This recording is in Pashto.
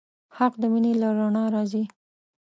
حق د مینې له رڼا راځي.